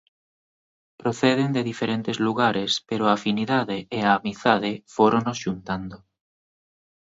Proceden de diferentes lugares pero a afinidade e a amizade fóronos xuntando.